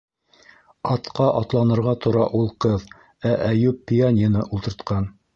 Атҡа атланырға тора ул ҡыҙ - ә Әйүп пианино ултыртҡан.